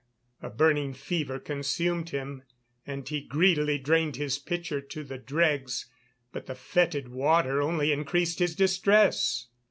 A burning fever consumed him and he greedily drained his pitcher to the dregs, but the fetid water only increased his distress.